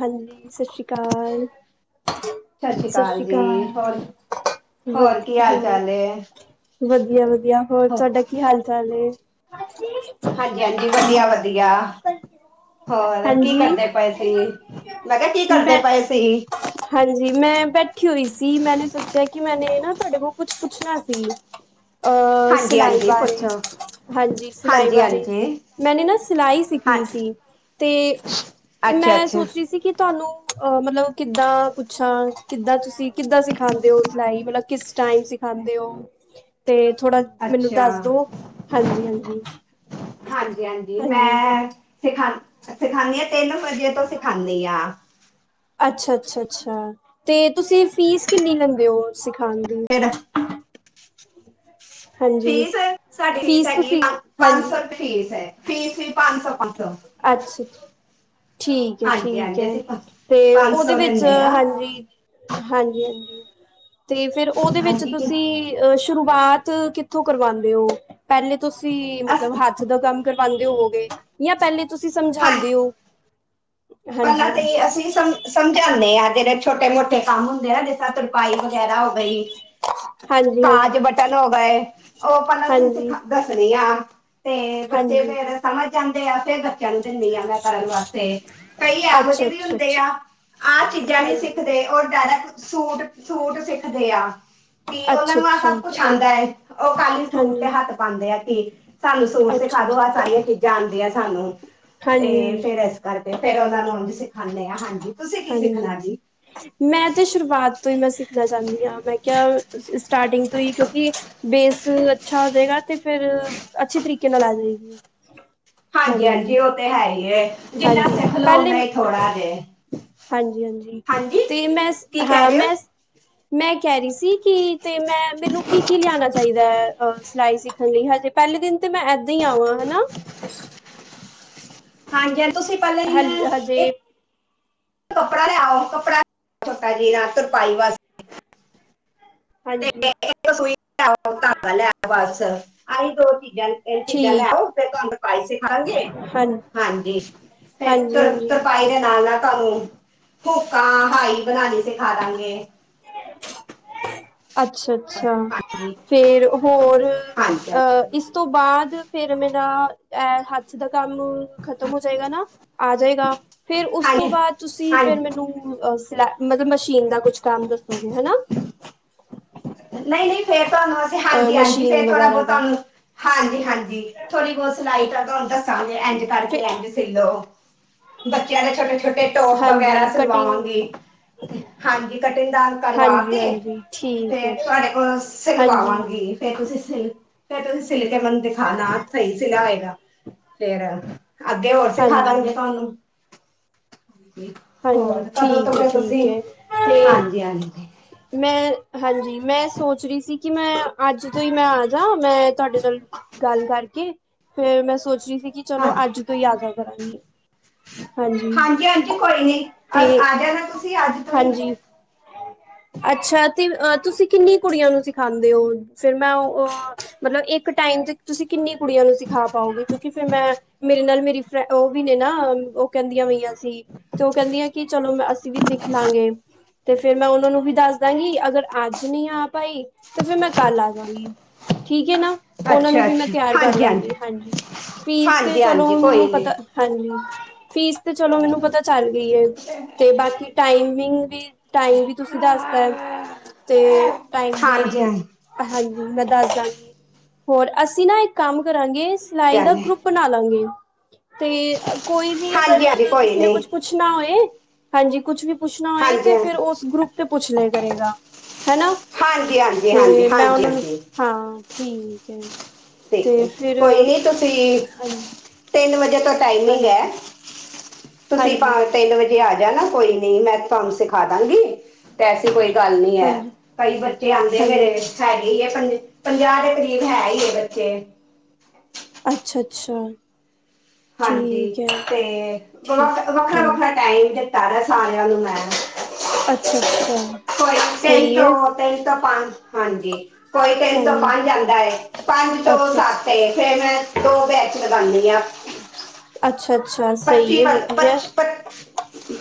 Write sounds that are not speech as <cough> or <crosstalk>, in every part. ਹਾਂਜੀ, ਸਤ ਸ਼੍ਰੀ ਕਾਲ, ਸਤਿ ਸ੍ਰੀ ਸਤ ਅਕਾਲ ਸ਼੍ਰੀ ਜੀ, ਕਾਲ। ਹੋਰ ਵਧ ਹੋਰ ਕੀ ਹਾਲ ਹੂੰ, ਚਾਲ ਏ? ਵਧੀੱਆ-ਵਧੀਆ। ਹੋਰ ਤੁਹਾਡਾ ਕੀ ਹਾਲ ਚਾਲ ਏ। ਹਾਂਜੀ- ਹਾਂਜੀ, ਵਧੀਆ-ਵਧੀਆ, ਹੋਰ, ਕੀ ਕਰਦੇ ਹਾਂਜੀ ਪਏ, ਸੀ, ਮੈਂ ਕਿਆ ਕੀ ਮੈਂ ਕਰਦੇ ਪਏ ਸੀ? ਹਾਂਜੀ, ਮੈਂ ਬੈਠੀ ਹੋਈ ਸੀ, ਮੈਨੇ ਸੋਚਿਆ ਕਿ ਮੈਨੇ ਨਾ ਤੁਆਡੇ ਕੋਲ ਕੁਛ ਪੁੱਛਣਾ ਸੀ। ਅ ਹਾਂਜੀ ਸਿਲਾਈ ਹਾਂਜੀ, ਬਾਰੇ, ਪੁੱਛੋ ਹਾਂਜੀ ਸਿਲਾਈ ਹਾਂਜੀ ਬਾਰੇ, ਹਾਂਜੀ, ਮੈਨੇ ਨਾ ਸਿਲਾਈ ਹਾਂ ਸਿੱਖਣੀ ਸੀ, ਤੇ -ਤੇ ਅੱਛਾ ਮੈਂ ਅੱਛਾ। ਸੋਚ ਰਹੀ ਸੀ ਕੀ ਤੁਹਾਨੂੰ ਅਹ ਮਤਲਬ ਕਿੱਦਾਂ ਪੁੱਛਾਂ, ਕਿੱਦਾਂ ਤੁਸੀਂ ਕਿੱਦਾਂ ਸਿਖਾਉਦੇ ਹੋ ਸਲਾਈ ਮਤਲਬ ਕਿਸ ਟਾਈਮ, ਸਿਖਾਂਦੇ ਹੋ ਤੇ ਥੋੜਾ, ਮੈਨੂੰ ਅੱਛਾ, ਦੱਸ ਦੋ ਹਾਂਜੀ -ਹਾਂਜੀ -ਹਾਂਜੀ, ਸਿਖਾ, ਸਿਖਾਂਦੀ ਹਾਂ ਤਿੰਨ ਞਜੇ ਤੋਂ ਸਿਖਾਂਦੀ ਹਾਂ, ਅੱਛਾ -ਅੱਛਾ- ਅੱਛ, ਤੇ ਤੁਸੀਂ ਫੀਸ ਕਿੰਨੀ ਲੈਂਦੇ ਹੋ ਸਿਖਾਣ ਦੀ, ਪੈਰਸ ਹਾਂਜੀ, ਫੀਸ ਸਾਡੀ ਫੀਸ ਹੈਗੀ ਤੁਸੀਂ ਪੰਜ ਸੌ ਹਾਂਜੀ ਰੁਪਏ ਫੀਸ ਹੈ ਫੀਸ ਵੀ ਪੰਜ ਸੌ -ਪੰਜ ਸੌ, ਅੱਛਾ ਜੀ। ਠੀਕ ਏ- ਹਾਂਜੀ ਠੀਕ ਹਾਂਜੀ, ਏ ਅਸੀਂ ਤੇ ਪੰਜ ਉਹਦੇ ਸੌ ਵਿੱਚ ਲੈਂਨੇ ਆ, ਹਾਂਜੀ, ਹਾਂਜੀ -ਹਾਂਜੀ ਤੇ ਫੇਿਰ ਉਹਦੇ ਵਿੱਚ ਹਾਂਜੀ। ਤੁਸੀਂ, ਅ ਸ਼ੁਰੂਆਤ ਕਿੱਥੋਂ ਕਰਵਾਉਂਦੇ ਹੋ, ਪਹਿਲੇ ਤੁਸੀਂ ਅਸ ਮਤਲਬ ਹੱਥ, ਹੱਥ ਦਾ ਕੰਮ ਕਰਵਾਉਂਦੇ ਹੋਵੋਗੇ ਜਾਂ, ਪਹਿਲੇ ਤੁਸੀਂ ਹਾਂ ਸਮਝਾਉਦੇ ਹੋ, ਪਹਿਲਾਂ ਹਾਂਜੀ ਤੇ ਹਾਂਜੀ ਅਸੀਂ ਸਮ ਸਮਝਾਂਦੇ ਹਾਂ, ਜੇਹੜੇ ਛੋਟੇ ਮੋਟੇ ਕੰਮ ਹੁੰਦੇ ਆ ਜੇਹ, ਤਾ ਤਰਪਾਈ ਵਗੈਰਾ ਹੋ ਗਈ, ਹਾਂਜੀ ਕਾਜ ਹਾਂਜੀ ਬਟਨ ਹੋ ਗਏ, ਉਹ ਪਹਿਲਾਂ ਅਸੀਂ ਹਾਂਜੀ ਸਿਖਾ, ਦੱਸਦੀ ਆ, ਤੇ ਬੱਚੇ ਹਾਂਜੀ ਫੇਰ ਸਮਝ ਜਾਂਦੇ ਆ ਫੇਰ, ਕਹਿੰਦੇ ਨਹੀਂ ਆਨਾਂ ਘਰ ਵਾਸਤੇ, ਕਈ ਐਹੋ ਅੱਛਾ ਜਿਹੇ ਵੀ ਅੱਛਾ ਹੁੰਦੇ ਅੱਛਾ ਆ, ਆਹ ਚੀਜ਼ਾਂ ਨੀ ਹਾਂਜੀ ਸਿੱਖਦੇ, ਉਹ ਡਾਇਰਕ, ਸੂਟ-ਸੂਟ ਸਿੱਖਦੇ ਆਂ ਕੀ ਉਹਨਾ ਅੱਛਾ ਨੂੰ ਆਹ ਅੱਛਾ ਸਭ ਕੁਛ ਆਂਦਾ ਹੈ ਓ ਖਾਲੀ ਸੂਟ ਤੇ ਹਾਂਜੀ ਹੱਥ ਪਾਂਦੇ ਆ ਕੀ ਸਾਨੂੰ ਸੂਟ ਅੱਛਾ ਸਿਖਾ ਦੋ ਅੱਛਾ ਆਹ ਸਾਰੀਆਂ ਚੀਜ਼ਾਂ ਆਦੀਆਂ ਸਾਨੂੰ ਤੇ ਹਾਂਜੀ ਫਿਰ ਹਾਂਜੀ ਇਸ ਕਰਕੇ ਫੇਰ ਉਹਨਾਂ ਨੂੰ ਓ ਵੀ ਸਿਖਾਣੇ ਆਂ ਹਾਂਜੀ। ਤੁਸੀਂ ਕੀ ਹਾਂਜੀ ਸਿੱਖਣਾ ਜੀ ਮੈਂ ਤੇ ਸ਼ੁਰੂਆਤ ਤੋਂ ਹੀ ਮੈਂ ਸਿੱਖਣਾ ਚਾਂਦੀ ਹਾਂ ਮੈਂ ਕਿਆ ਸਟਾਰਟਿੰਗ ਤੋਂ ਹੀ ਕਿਉਂਕਿ ਬੇਸ ਅੱਛਾ ਹੋ ਜਾਏਗਾ ਤੇ ਫਿਰ ਅੱਛੇ ਤਰੀਕੇ ਨਾਲ ਆ ਜਾਏਗੀ। ਹਾਂਜੀ ਹਾਂਜੀ-ਹਾਂਜੀ ਓ ਤੇ ਹੈ ਈ ਏ ਜਿੰਨਾ ਹਾਂਜੀ ਸਿੱਖ ਲੋ ਉਨਾ ਈ ਥੋੜਾ ਜੇ ਹਾਂਜੀ-ਹਾਂਜੀ ਹਾਂਜੀ ਤੇ ਮੈਂ ਕੀ ਕਹਿ ਹਾਂ ਰਹੇ ਹੋ ਮੈਂ ਮੈਂ ਕਹਿ ਰਈ ਸੀ ਕਿ ਤੇ ਮੈਂ ਮੈਨੂੰ ਕੀ-ਕੀ ਲਿਆਣਾ ਚਾਹੀਦਾ ਹੈ ਅ ਸਿਲਾਈ ਸਿ ਹਾਂਜੀ ਪੈਲੇ ਦਿਨ ਤੇ ਮੈਂ ਏਦਾਂ ਈ ਆਵਾਂ ਹਨਾ। ਹਾਂਜੀ ਹ ਤੁਸੀਂ ਪੈਲਾਂ ਦਿਨ ਹ ਇੱਕ ਹਜੇ ਕੱਪੜਾ ਲਿਆਓ ਕੱਪੜਾ ਛੋਟਾ ਜੀ ਰਾ ਤੁਰਪਾਈ ਵਾਸ ਹਾਂਜੀ ਸੂਈ ਲੈ ਆਉ ਧਾਗਾ ਲੈ ਆਉ ਬਸ ਆਹੀ ਦੋ ਚੀਜ਼ਾਂ ਇਹ ਚੀਜ਼ਾਂ ਠੀਕ ਲੈਓ ਫਿਰ ਤੁਆਨੂੰ ਤਰਪਾਈ ਸਿੱਖਾਂਗੇ। ਹਾਂ ਹਾਂਜੀ ਫਿਰ ਹਾਂਜੀ ਤਰ ਹਾਂਜੀ ਤੁਰਪਾਈ ਦਾ ਨਾਲ-ਨਾਲ ਤੁਹਾਨੂੰ ਹੂੱਕਾਂ ਹਾਈ ਬਣਾਣੀ ਸਿਖਾ ਦਾਂਗੇ। ਅੱਛਾ-ਅੱਛਾ ਹਾਂਜੀ ਫੇਰ ਹੋਰ ਹਾਂਜੀ ਅ ਇਸ ਤੋਂ ਬਾਦ ਫੇਰ ਮੇਰਾ ਇਹ ਹੱਥ ਦਾ ਕੰਮ ਖ਼ਤਮ ਹੋ ਜਾਏਗਾ ਨਾ ਆ ਜਾਏਗਾ ਫਿਰ ਉਸ ਤੋਂ ਹਾਂਜੀ ਬਾਦ ਤੁਸੀਂ ਫਿਰ ਹਾਂਜੀ ਮੈਨੂੰ ਅ ਸਲਾ ਮਤਲਬ ਮਸ਼ੀਨ ਦਾ ਕੁਛ ਕੰਮ ਦੱਸੋਗੇ ਹਨਾ। ਨਈ-ਨਈ ਫੇਰ ਤੁਹਾਨੂੰ ਅਸੀਂ ਅ ਹਾਂਜ -ਹਾਂਜੀ ਮਸ਼ੀਨ ਫੇਰ ਥੋੜ੍ਹਾ ਵਗੈਰਾ ਬੋਤ ਦਾ ਤੁਹਾਨੂੰ ਹਾਂਜੀ-ਹਾਂਜੀ ਥੋੜ੍ਹੀ ਬੋਤ ਸਿਲਾਈ ਤਾਂ ਤੁਹਾਨੂੰ ਦੱਸਾਂਗੇ ਇੰਝ ਫ ਕਰਕੇ ਇੰਝ ਸਿਲ ਲੋ। ਬੱਚਿਆਂ ਦੇ ਛੋਟ ਛੋਟੇ ਟੋਪ ਵਗੈਰਾ ਹਾਂਜੀ ਕਟਿੰਗ ਸਿਲਵਾਵਾਂਗੀ ਹਾਂਜੀ ਕਟਿੰਗ ਦਾ ਕਰਵਾ ਹਾਂਜੀ ਕੇ ਹਾਂਜੀ ਠੀਕ ਤੇ ਹੈ ਤੁਹਾਡੇ ਕੋਲ ਹਾਂਜੀ ਸਿਲਵਾਂਵਾਂਗੀ। ਫਿਰ ਤੁਸੀਂ ਸ ਫਿਰ ਤੁਸੀਂ ਸਿੱਲ ਕੇ ਮਨੂੰ ਦਿਖਾਣਾ ਸਈ ਸਿਲਾ ਹੋਏਗਾ ਫੇਰ ਅੱਗੇ ਹੋਰ ਸਿਖਾ ਦਾਂਗੇ ਹਾਂਜੀ ਤੁਆਨੂੰ ਹਾਂਜੀ ਹੋਰ ਕਦੋਂ ਤੋਂ ਠੀਕ ਹੈ ਫਿਰ ਤੁਸੀਂ ਠੀਕ ਹੈ ਤੇ ਹਾਂਜੀ-ਹਾਂਜੀ। ਮੈਂ ਹਾਂਜੀ ਮੈਂ ਸੋਚ ਰਈ ਸੀ ਕਿ ਮੈਂ ਅੱਜ ਤੋ ਈ ਮੈਂ ਆ ਜਾ ਮੈਂ ਤੁਹਾਡੇ ਨਾਲ ਗੱਲ ਕਰਕੇ ਫੇਰ ਮੈਂ ਸੋਚ ਰਈ ਸੀ ਕਿ ਚਲੋ ਹਾਂ ਅੱਜ ਤੋ ਈ ਆ ਜਾ ਕਰਾਂਗੀ। ਹਾਂਜੀ ਹਾਂਜੀ-ਹਾਂਜੀ ਕੋਈ ਨੀ ਅ ਤੇ ਆ ਜਾਣਾ ਤੁਸੀਂ ਅੱਜ ਤੋ ਈ ਹਾਂਜੀ ਅੱਛਾ ਤੇ ਅਹ ਤੁਸੀਂ ਕਿੰਨੀ ਕੁੜੀਆਂ ਨੂੰ ਸਿਖਾਉਂਦੇ ਹੋ। ਫਿਰ ਮੈਂ ਓ ਅ ਮਤਲਬ ਇੱਕ ਟਾਈਮ ਤੇ ਤੁਸੀਂ ਕਿੰਨੀ ਕੁੜੀਆਂ ਨੂੰ ਸਿਖਾ ਪਾਓਗੇ ਕਿਉਂਕਿ ਫਿਰ ਮੈਂ ਮੇਰੇ ਨਾਲ ਮੇਰੀ ਫਰੇ ਓ ਵੀ ਨੇ ਨਾ ਓ ਕੈਂਦੀਆਂ ਵਈਆਂ ਸੀ। ਤੇ ਓ ਕੈਂਦੀਆ ਕਿ ਚਲੋ ਮੈਂ ਅਸੀਂ ਵੀ ਸਿੱਖ ਲਵਾਂਗੇ ਤੇ ਫਿਰ ਮੈਂ ਉਹਨਾਂ ਨੂੰ ਵੀ ਦੱਸ ਦਾਂਗੀ ਅਗਰ ਅੱਜ ਨਈ ਆ ਪਾਈ ਤੇ ਫਿਰ ਮੈਂ ਕੱਲ ਆ ਜਾਂਗੀ ਠੀਕ ਏ ਨਾ। ਉਹਨਾਂ ਨੂੰ ਅੱਛਾ ਵੀ ਮੈਂ ਅੱਛਾ ਤਿਆਰ ਕਰ ਹਾਂਜੀ ਲਾਂਗੀ ਹਾਂਜੀ ਫੀਸ ਤੇ ਹਾਂਜੀ ਚਲੋ ਹਾਂਜੀ ਮੈਨੂੰ ਕੋਈ ਪਤਾ ਨਹੀਂ ਹਾਂਜੀ ਫੀਸ ਤੇ ਚਲੋ ਮੈਨੂੰ ਪਤਾ ਚੱਲ ਗਈ ਏ ਤੇ ਬਾਕੀ ਟਾਈਮਿੰਗ ਵੀ ਟਾਈਮ ਵੀ ਤੁਸੀਂ ਦੱਸ ਤਾ ਤੇ ਟਾਈਮ ਵੀ ਹਾਂਜੀ ਹਾਂਜੀ ਹਾਂਜੀ ਮੈਂ ਦੱਸ ਦਾਂਗੀ ਹੋਰ ਅਸੀਂ ਨਾ ਇੱਕ ਕੰਮ ਕਰਾਂਗੇ ਸਿਲਾਈ ਗੱਲ ਦਾ ਹੈ। ਗਰੁੱਪ ਬਣਾ ਲਾਂਗੇ ਤੇ ਕੋਈ ਵੀ ਅਗਰ ਹਾਂਜੀ ਹਾਂਜੀ ਕੋਈ ਕਿਸੇ ਨੇ ਨਹੀਂ ਕੁਛ ਕੁ ਪੁੱਛਣਾ ਹੋਏ ਹਾਂਜੀ ਕੁਛ ਵੀ ਪੁੱਛਣਾ ਹੋਏ ਹਾਂਜੀ ਤੇ ਹਾਂ- ਫਿਰ ਉਸ ਗਰੁੱਪ ਤੇ ਪੁੱਛ ਲੇ ਕਰੇਗਾ। ਹੈਨਾ ਹਾਂਜੀ ਹਾਂਜੀ ਹਾਂਜੀ ਤੇ ਹਾਂਜੀ ਮੈਂ ਉਹਨਾਂ ਨੂੰ ਹਾਂਜੀ ਹਾਂ, ਠੀਕ ਹੈ। ਠੀਕ ਹੈ ਕੋਈ ਨੀ ਤੁਸੀਂ ਹਾਂਜੀ, ਤਿੰਨ ਵਜੇ ਤੋਂ ਟਾਈਮਿੰਗ ਹੈ। ਹਾਂਜੀ, ਤੁਸੀਂ ਹਾਂਜੀ, ਭਾਵੇ ਤਿੰਨ ਵਜੇ ਆ ਜਾਣਾ ਕੋਈ ਨਹੀਂ ਮੈਂ ਤੁਹਨ ਸਿਖਾ ਦਾਂਗੀ। ਤੇ ਐਸੀ ਕੋਈ ਗੱਲ ਨਹੀਂ ਹੈ ਹਾਂਜੀ, ਕਈ ਬੱਚੇ ਆਉਂਦੇ ਮੇਰੇ ਹਾਂਜੀ। ਹੈਗੀ ਹੀ ਹੈ ਪੰਜ-ਪੰਜਾਹ ਦੇ ਕਰੀਬ ਹੈ ਹੀ ਹੈ ਬੱਚੇ ਅੱਛਾ-ਅੱਛਾ। ਹਾਂਜੀ, ਠੀਕ ਹੈ ਤੇ ਦੋ ਠੀਕ ਵੱਖਰਾ-ਵੱਖਰਾ ਟਾਈਮ ਬੀਤਾਣਾ ਹੈ ਸਾਰਿਆਂ ਨੂੰ ਮੈ ਅੱਛਾ-ਅੱਛਾ। ਸਹੀ ਹੈ ਤਿਨ- ਤਿਨ ਤੋ ਪਂਜ, ਹਾਂਜੀ। ਕੋਈ ਤਿੰਨ ਤੋਂ ਹਾਂਜੀ ਪੰਜ ਆਉਂਦਾ ਹੈ ਪੰਜ ਤੋਂ ਅੱਛਾ-ਅੱਛਾ ਸੱਤ ਫੇਰ ਮੈਂ ਦੋ ਬੈਚ ਲਗਾਉਂਦੇ ਹਾਂ, ਅੱਛਾ-ਅੱਛਾ ਸਹੀ ਹੈ ਵਧੀਆ ਪੱਚੀ-ਪੰਚੀ ਪਲ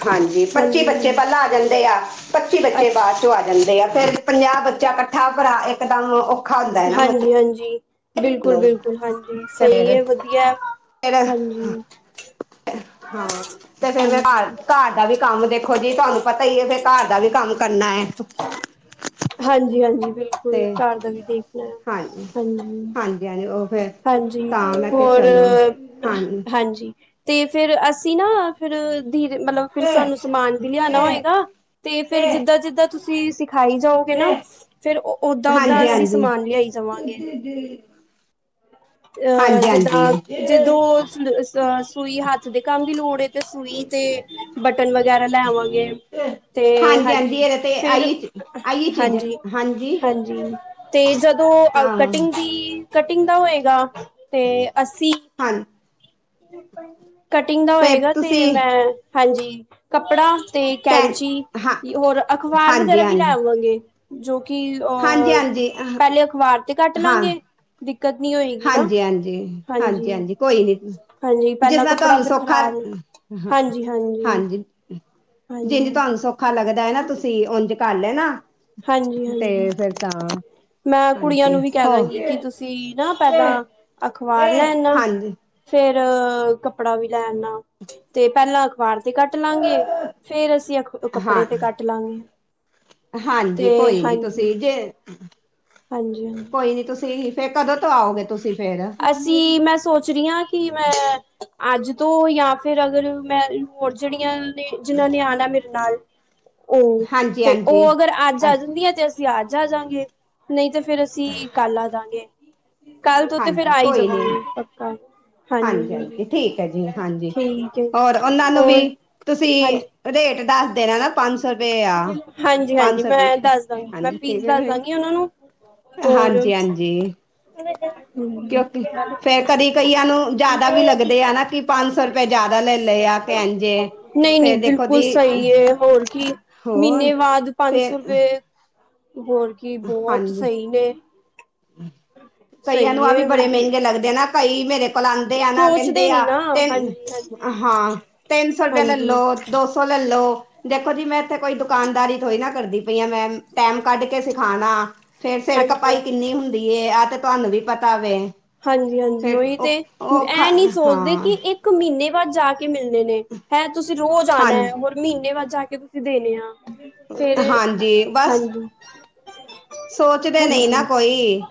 ਹਾਂਜੀ, ਪੱਚੀ ਬੱਚੇ ਹਾਂਜੀ-ਹਾਂਜੀ ਪਹਿਲਾਂ ਆ ਜਾਂਦੇ ਆ। ਪੱਚੀ ਬੱਚੇ ਅੱਛਾ ਬਾਅਦ ਚੋ ਆ ਜਾਂਦੇ ਆ ਫੇਰ ਪੰਜਾਹ ਬੱਚਾ ਇਕੱਠਾ ਭਰਾ ਇਕਦਮ ਉਹ ਹਾਂਜੀ-ਹਾਂਜੀ। ਮੈਨੂੰ ਬਿਲਕੁਲ-ਬਿਲਕੁਲ, ਹਾਂਜੀ ਤੇ ਸਹੀ ਫੇਰ ਹੈ ਵਧੀਆ ਫੇਰ ਹਾਂਜੀ। ਹਾਂ, ਤੇ ਫੇਰ ਮੈਂ ਘਰ-ਘਰ ਦਾ ਵੀ ਕੰਮ ਦੇਖ ਖੂਦ ਹੀ, ਤੁਹਾਨੂੰ ਪਤਾ ਹੀ ਹੈ ਫਿਰ ਘਰ ਦਾ ਵੀ ਕੰਮ ਕਰਨਾ ਹੈ। ਹਾਂਜੀ-ਹਾਂਜੀ, ਬਿਲੁ ਕੋਈ ਤੇ ਘਰ ਦਾ ਵੀ ਦੇਖਣਾ ਆ ਹਾਂਜੀ ਹਾਂਜੀ ਹਾਂਜੀ ਉਹ ਫੇਰ ਹਾਂਜੀ-ਹਾਂਜੀ ਤਾਂ ਮੈਂ ਕਿਹਾ ਹੋਰ ਚਲੋ ਹਾਂਜੀ, ਤੇ ਫਿਰ ਅਸੀਂ ਨਾ ਫਿਰ ਧੀਰੇ ਮਤਲਬ ਫਿਰ ਸਾਨੂੰ ਸਮਾਨ ਵੀ ਲਿਆਣਾ ਹੋਏਗਾ ਤੇ ਫੇਰ ਜਿੱਦਾਂ-ਜਿੱਦਾਂ ਤੁਸੀਂ ਸਿਖਾਈ ਜਾਓ। ਹੈਨਾ ਫੇਰ ਓਦਾਂ-ਓਦਾਂ ਅਸੀਂ ਸਮਾਨ ਲਿਆਈ ਜਾਵਾਂਗੇ। ਤੇ ਅਹ ਜਿੱਦਾਂ ਜਦੋਂ ਅ ਸੂਈ ਹੱਥ ਦੇ ਕੰਮ ਦੀ ਲੋੜ ਹੈ ਤੇ ਸੂਈ ਤੇ ਬਟਨ ਵਗੈਰਾ ਲੈਵਾਂਗੇ। ਤੇ ਹਾਂਜੀ, ਇਹਦੇ ਤੇ ਫਿਰ ਆਈ ਆਈ ਚੀਜ਼ ਹਾਂਜੀ ਹਾਂਜੀ-ਹਾਂਜੀ। ਤੇ ਜਦੋਂ ਆਹੋ ਕਟਿੰਗ ਦੀ ਕਟਿੰਗ ਦਾ ਹੋਏਗਾ ਤੇ ਅੱਸੀ ਹਾਂਜ ਕਟਿੰਗ ਦਾ ਫੇਰ ਹੋਏਗਾ ਤੁਸੀਂ ਤੇ ਮੈਂ ਹਾਂਜੀ ਕੱਪੜਾ ਤੇ ਕਹਿ ਕੈਂਚੀ ਹਾਂ ਹੋਰ ਅਖਬਾਰ ਹਾਂਜੀ ਵਗੈਰਾ ਵੀ ਹਾਂਜੀ ਲੈਵਾਂਗੇ। ਜੋ ਕਿ ਹਾਂਜੀ ਅਹ ਹਾਂਜੀ ਪਹਿਲੇ ਅਖ਼ਬਾਰ ਤੇ ਕੱਟ ਹਾਂ ਲਾਂਗੇ। ਦਿੱਕਤ ਨੀ ਹੋਏਗੀ ਨਾ ਹਾਂਜੀ। ਕੋਈ ਨੀ ਹਾਂਜੀ ਜਿਸ ਪਹਿਲਾਂ ਤਰ ਕੱਪੜਾ ਤੁਹਾਨੂੰ ਫਿਰ ਸੌਖਾ ਖ਼ਰਾਬ ਹਾਂਜੀ। ਜਿਨੀ ਹਾਂਜੀ ਤੁਹਾਨੂੰ ਸੌਖਾ ਲੱਗਦਾ ਹੈ ਨਾ ਤੁਸੀਂ ਉਂਝ ਕਰ ਲੈਨਾ। ਹਾਂਜੀ। ਤੇ ਹਾਂਜੀ ਫੇਰ ਤਾਂ। ਮੈਂ ਕੁੜੀਆਂ ਹਾਂਜੀ ਨੂੰ ਵੀ ਕਹਿ ਹੋ ਦਾਂਗੀ ਕਿ ਤੁਸੀਂ ਬਈ ਨਾ ਪਹਿਲਾਂ ਅਖਬਾਰ ਲੈਆਣਾ ਹਾਂਜੀ ਫੇਰ ਕਪ ਕੱਪੜਾ ਵੀ ਲੈਆਣਾ ਤੇ ਪਹਿਲਾਂ ਅਖ਼ਬਾਰ ਤੇ ਕੱਟ ਲਾਂਗੇ, ਫੇਰ ਅਸੀਂ ਹਾਂ ਕੱਪੜੇ ਤੇ ਕੱਟ ਲਾਂਗੇ। ਹਾਂਜੀ, ਤੇ ਕੋਈ ਨੀ ਤੁਸੀਂ ਜੇ ਹਾਂਜੀ-ਹਾਂਜੀ। ਕੋਈ ਨੀ ਤੁਸੀਂ ਫੇਰ ਕਦੋਂ ਤੋਂ ਆਓਗੇ ਤੁਸੀਂ ਫੇਰ? ਅਸੀਂ ਮੈਂ ਸੋਚ ਰਹੀ ਹਾਂ ਕਿ ਮੈਂ ਅੱਜ ਤੋਂ ਜਾਂ ਫਿਰ ਅਗਰ ਮੈਂ ਹੋਰ ਜਿਹੜੀਆਂ ਜਿਨਾਂ ਨੇ ਆਣਾ ਮੇਰੇ ਨਾਲ ਉਹ ਹਾਂਜੀ ਤੇ ਹਾਂਜੀ ਉਹ ਅਗਰ ਅੱਜ ਆ ਅੱ ਜਾਂਦੀ ਹੈ ਤੇ ਅਸੀਂ ਅੱਜ ਆ ਜਾਂਗੇ ਨਹੀਂ ਤੇ ਫੇਰ ਅਸੀਂ ਕੱਲ ਆ ਜਾਂਗੇ ਕੱਲ ਫੇਰ ਹਾਂਜੀ ਆ ਹੀ ਕੋਈ ਜਾਵਾਂਗੇ ਨੀ ਪੱਕਾ, ਹਾਂਜੀ ਹਾਂਜੀ ਠੀਕ ਹੈ ਜੀ, ਹਾਂਜੀ ਠੀਕ ਹੋਰ ਹੈ ਉਹਨਾਂ ਨੂੰ ਹੋਰ ਵੀ ਹਾਂਜੀ ਤੁਸੀਂ ਰੇਟ ਦੱਸ ਦੇਣਾ ਨਾ ਪੰਜ ਸੌ ਰੁਪਏ ਆ ਹਾਂਜੀ ਪੰਜ ਹਾਂਜੀ ਸੌਪ ਮੈਂ ਦੱਸ ਦਾਂਗੀ ਮੈਂ ਹਾਂਜੀ ਫੀਸ ਠੀਕ ਹੈ ਦੱਸ ਨਾ ਦਾਂਗੀ ਉਹਨਾਂ ਨੂੰ ਹਾਂਜੀ ਹਾਂਜੀ, ਹ ਤਾਂ, ਕਿਉਂਕਿ ਫੇਰ ਕਦੀ ਕਈਆਂ ਨੂੰ ਜਾਦਾ ਵੀ ਲੱਗਦੇ ਆ ਨਾ ਕਿ ਪੰਜ ਸੌ ਰੁਪਏ ਜਾਦਾ ਲੈ ਲਏ ਆ। ਭੇਣ ਜੇ ਨਹੀਂ ਨਹੀਂ ਬਿਲਕੁਲ ਸਹੀ ਹੈ ਹੋਰ ਕੀ ਹੋਰ ਮੀਨੇ ਬਾਦ ਪੰਜ ਸੌ ਫੇਰ ਰੁਪਏ ਹੋਰ ਕੀ ਬੋਤ ਹਾਂਜੀ ਸਹੀ ਨੇ, ਕਈਆਂ ਨੂੰ ਸਹੀ ਆਹ ਵੀ ਹੈ ਬੜੇ ਹੋਰ ਕੀ ਮਹਿੰਗੇ ਲੱਗਦੇ ਨਾ, ਕਈ ਮੇਰੇ ਕੋਲ ਆਂਦੇ ਆ ਨਾ ਸੋਚਦੇ ਕੈਂਦੇ ਨੀ ਆ ਨਾ ਤੇ, ਹਾਂਜੀ ਹਾਂਜੀ ਹਾਂ ਤਿੰਨ ਸੌ ਰੁਪੇਆ ਲੈ ਹਾਂਜੀ ਲੋ ਦੋ ਸੌ ਲੈ ਲੋ ਦੇਖੋ ਜੀ ਮੈਂ ਇੱਥੇ ਕੋਈ ਦੁਕਾਨਦਾਰੀ ਥੋੜੀ ਨਾ ਕਰਦੀ ਪਈ ਆ ਮੈਂ ਟੈਮ ਕੱਢ ਕੇ ਸਿਖਾਣਾ ਫੇਰ ਸਿਰ ਹਾਂਜੀ ਖਪਾਈ ਹਾਂਜੀ ਕਿੰਨੀ ਹੁੰਦੀ ਐਹ ਤੇ ਤੁਹਾਨੂੰ ਵੀ ਪਤਾ ਵੇ। ਹਾਂਜੀ ਹਾਂਜੀ ਫਿਰ ਉਹੀ ਤੇ ਉਹ ਫੇ ਉਹ ਇਹ ਨਹੀਂ ਸੋਚਦੇ ਕਿ ਹਾਂ ਇਹ ਇੱਕ ਮੀਨੇ ਬਾਦ ਜਾ ਕੇ ਮਿਲਣੇ ਨੇ ਹੈ ਤੁਸੀਂ ਰੋਜ਼ ਹਾਂ ਆਣਾ ਹੈ ਹੋਰ ਮੀਨੇ ਬਾਦ ਜਾ ਕੇ ਤੁਸੀਂ ਦੇਣੇ ਆ। ਫਿਰ ਹਾਂਜੀ ਬਸ ਹਾਂਜੀ, ਸੋਚਦੇ ਨਹੀਂ ਨਾ ਹਾਂਜੀ ਕੋਈ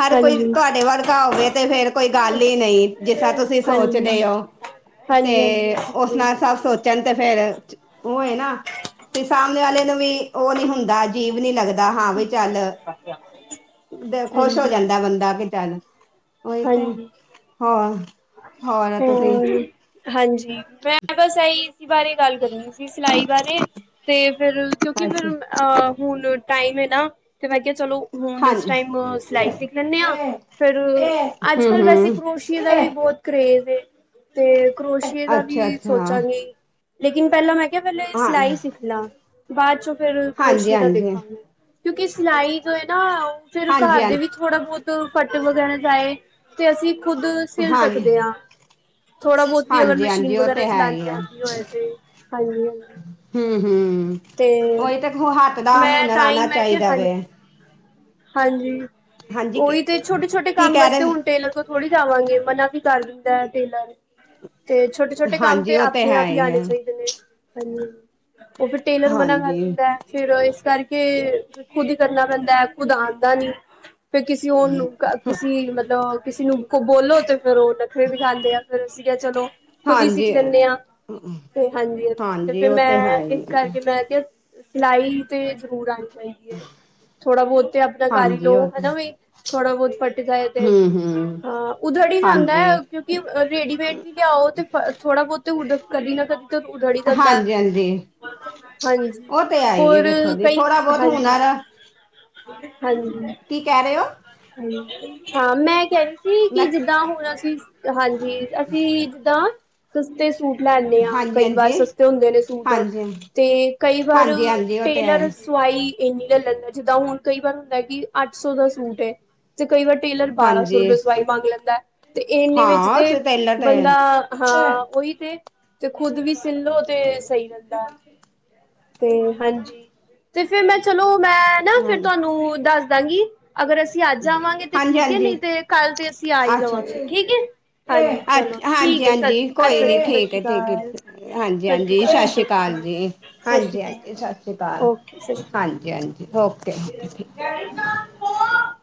ਹਰ ਕੋਈ ਹਾਂਜੀ ਤੁਹਾਡੇ ਵਰਗਾ ਹੋਵੇ ਤੇ ਫੇਰ ਕੋਈ ਗੱਲ ਹੀ ਨਹੀਂ ਜਿਸ ਤਰ੍ਹਾਂ ਤੁਸੀਂ ਹਾਂਜੀ ਸੋਚਦੇ ਹੋ ਤੇ ਹਾਂਜੀ ਹਾਂਜੀ ਉਸ ਬਿਲਕੁਲ ਨਾਲ ਸਭ ਸੋਚ ਤੈਨੂੰ ਤੇ ਫੇਰ ਉਹ ਹੈ ਨਾ ਤੇ ਸਾਮਣੇ ਵਾਲੇ ਨੂੰ ਵੀ ਉਹ ਨੀ ਹੁੰਦਾ ਅਜੀਬ ਨੀ ਲੱਗਦਾ। ਦਾ ਹਾਂ ਵੀ ਚੱਲ ਖੁਸ਼ ਹੋ ਹਾਂਜੀ ਜਾਂਦਾ ਬੰਦਾ ਕਿ ਚੱਲ, ਉਹੀ ਤੇ ਹਾਂ, ਹਮ ਹਾਂਜੀ ਮੈਂ ਬਸ ਇਹੀ ਇਸ ਬਾਰੇ ਗੱਲ ਕਰਨੀ ਸਿਲਾਈ ਬਾਰੇ ਤੇ ਫਿਰ ਕਿਉਂਕਿ ਅੱਛਾ ਫਿਰ ਅਹ ਹੁਣ ਟਾਈਮ ਹੈ ਨਾ ਤੇ ਮੈਂ ਕਿਹਾ ਚਲੋ। ਹੁਣ ਇਸ ਹਾਂਜੀ ਟਾਈਮ ਸਿਲਾਈ ਸਿੱਖ ਲੈਂਦੇ ਹਾਂ ਫਿਰ ਹਮ ਅੱਜ ਕੱਲ ਵੈਸੇ ਹਮ ਕਰੋਸ਼ੀਏ ਦਾ ਵੀ, ਬੋਤ ਕਰੇਜ ਏ ਤੇ ਕਰੋਸ਼ੀਏ ਦਾ ਅੱਛਾ ਵੀ ਅੱਛਾ ਸੋਚਾਂਗੇ ਲੇਕਿਨ ਪੈਲਾਂ ਮੈਂ, ਯਾ ਪੈਲੇ ਹਾਂ ਸਿਲਾਈ ਸਿੱਖ ਲਾ ਬਾਅਦ ਚੋਂ ਫੇਰ ਹਾਂਜੀ ਕਰੋਸ਼ਏ ਦਾ ਹਾਂਜੀ ਦੇਖਾਗੇ। ਕਿਉਂਕਿ ਸਿਲਾਈ ਜੋ ਹੈ ਨਾ ਫਿਰ ਹਾਂਜੀ ਘਰ ਦੇ ਵਿੱਚ ਥੋੜਾ ਬੋਤ ਫੱਟ ਵਗੈਰਾ ਜਾਏ ਤੇ ਅਸੀਂ ਖੁੱਦ ਸਿਲ ਸਕਦੇ ਹਾਂ। ਥੋੜਾ ਬੋਤ ਵੀ ਅਗਰ ਹਾਂਜੀ ਮਸ਼ੀਨ ਹਾਂਜੀ ਉਹ ਵਗੈਰਾ ਤੇ ਹੈ ਹੀ ਚਲਾਣੀ ਹੈ ਆਂਦੀ ਹੋ ਏ ਜ ਹਾਂਜੀ ਹਾਂਜੀ, ਹੂੰ-ਹੂੰ, ਤੇ ਉਹੀ ਤੇ ਹੱਥ ਦਾ ਮੈਂ ਹੁਨਰ ਤਾਂ ਹੀ ਆਣਾ ਮੈਂ ਕਿਹਾ ਚਾਈਦਾ ਹਾਂ ਵੇ, ਹਾਂਜੀ ਹਾਂਜੀ ਕੀ ਉਹੀ ਤੇ ਛੋਟੇ ਛੋਟੇ ਕੀ ਕੰਮ ਕਹਿ ਵਾਸਤੇ ਰਹੇ ਹੁਣ ਟੇਲਰ ਤੋਂ ਥੋੜ੍ਹੀ ਜਾਵਾਂਗੇ ਮਨਾ ਵੀ ਕਰ ਦਿੰਦਾ ਟੇਲਰ ਤੇ ਛੋਟੇ ਛੋਟੇ ਕੰਮ ਹਾਂਜੀ ਤੇ ਉਹ ਆਪਣੇ ਹੈ ਆਪ ਹੀ ਹੈ ਆਣੇ ਚਾਈਦੇ ਨੇ ਹਨਾਂ ਜੀ, ਉਹ ਫਿਰ ਟੇਲਰ ਮਨਾ ਕਰ ਹਾਂਜੀ ਦਿੰਦਾ ਫੇਰ ਇਸ ਕਰਕੇ ਖੁਦ ਹੀ ਕਰਨਾ ਪੈਂਦਾ ਉਦਾਰਦਾ ਨੀ ਫਿਰ ਕਿਸੇ ਉਹ ਕਿਸੀ ਮਤਲਬ ਕਿਸੇ ਨੂੰ ਬੋਲੋ ਤੇ, ਫੇਰ ਉਹ ਨਖਰੇ ਵਿ ਖਾਂਦੇ ਆ ਫਿਰ ਅਸੀ ਕੇਆ ਚਲੋ ਖੁਦ ਹੀ ਸਿੱਖ ਹਾਂਜੀ ਲੈਂਦੇ ਹ ਤੇ ਹਾਂਜੀ ਹਾਂਜੀ ਤੇ ਫਿਰ ਉਹ ਹੈ ਮੈਂ ਹੀ ਇਸ ਹੈ ਕਰਕੇ ਮੈਂ ਤੇ ਸਿਲਾਈ ਤੇ ਜ਼ਰੂਰ ਆਣੀ ਚਾਈਦੀ ਹੈ ਥੋੜਾ ਬੋਤ ਆਪਣਾ ਕਰ ਈ ਹਾਂਜੀ ਉਹ ਲਓ ਤੇ ਹਨਾ ਬਈ ਥੋੜਾ ਬੋਤ ਫਟ ਜਾ ਏ ਤੇ ਹੂੰ ਹੂੰ ਹਾਂ ਉਧੜ ਹੀ ਜਾਂਦਾ ਹੈ ਹਾਂਜੀ ਕਿਉਂਕਿ ਰੇਡੀਮੇਡ ਵੀ ਲਿਆਓ ਤੇ ਥੋੜਾ ਬਹੁਤੇ ਹੁ ਕਦੀ ਨਾ ਕਦੇ ਤੇ ਉਧੜ ਈ ਜਾਂਦਾ ਹਾਂਜੀ ਹਾਂਜੀ ਹਾਂਜੀ ਉਹ ਤੇ ਹੈ ਹੀ ਹੈ ਹੋਰ ਵੇਖੋ ਜੀ ਕਈ ਥੋੜ੍ਹਾ ਬਹੁਤ ਹਾਂਜੀ ਹੁਨਰ ਹਾਂਜੀ ਕੀ ਕਹਿ ਰੇ ਓ ਹ ਹਾਂ ਮੈਂ ਕਹਿ ਰਹੀ ਮੈਂ ਸੀ ਜਿਦਾਂ ਹੋਇਆ ਸੀ ਹਾਂਜੀ ਅਸੀਂ ਜਿੱਦਾਂ ਸਸਤੇ ਸੂਟ ਲੈਂਦੇ ਹਾਂ ਹਾਂਜੀ ਕਈ ਵਾਰ ਹਾਂਜੀ ਸਸਤੇ ਹੁੰਦੇ ਨੇ ਸੂਟ ਹਾਂਜੀ ਤੇ ਕਈ ਵਾਰ ਹਾਂਜੀ ਹਾਂਜੀ ਉਹ ਤੇ ਹੈ ਟੇਲਰ ਸਵਾਈ ਇਨੀ ਲ ਲੈਂਦਾ ਜਿੱਦਾਂ ਹੁਣ ਕਈ ਵਾਰ ਹੁੰਦਾ ਕਿ ਅੱਠ ਸੌ ਦਾ ਸੂਟ ਐ ਤੇ ਕਈ ਵਾਰ ਟੇਲਰ ਬਾਰਾਂ ਸੌ ਹਾਂਜੀ ਰੁਪਏ ਸਵਾਈ ਮੰਗ ਲੈਂਦਾ ਤੇ ਇਨੇ ਵਿੱਚ ਹਾਂ ਤੇ ਟੇਲਰ ਤੇ ਬੰਦਾ ਹਾਂ ਉਹੀ ਤੇ ਤੇ ਖੁਦ ਵੀ ਸੀਲਦਾ ਤੇ ਸਹੀ ਰਹਿੰਦਾ ਤੇ ਹਾਂਜੀ ਤੇ ਫੇਰ ਮੈਂ ਚਲੋ ਮੈਂ ਨਾ ਫਿਰ ਹਾਂਜੀ ਤੁਹਾਨੂੰ ਦੱਸ ਦਾਂਗੀ ਅਗਰ ਅਸੀਂ ਅਸੀਂ ਅੱਜ ਆਵਾਂਗੇ ਤੇ ਹਾਂਜੀ ਠੀਕ ਐ ਹਾਂਜੀ ਨੀ ਤੇ ਕੱਲ ਤੇ ਅਸੀਂ ਆ ਹੀ ਅੱਛਾ ਜਾਵਾਂਗੇ ਅੱਛਾ ਠੀਕ ਐ ਅੱ ਹਾਂਜੀ ਹਾਂਜੀ ਕੋਈ ਅੱਛਾ ਨੀ ਜੀ ਸਤਿ ਠੀਕ ਸ਼੍ਰੀ ਐ ਠੀਕ ਐ ਅਕਾਲ ਹਾਂਜੀ ਸਤਿ ਸ਼੍ਰੀ ਹਾਂਜੀ ਅਕਾਲ ਸਤਿ ਸ੍ਰੀ ਸ਼੍ਰੀ ਅਕਾਲ ਜੀ ਹਾਂਜੀ ਹਾਂਜੀ ਸਤਿ ਸ੍ਰੀ ਅਕਾਲ ਹਾਂਜੀ ਹਾਂਜੀ ਓਕੇ <unintelligible>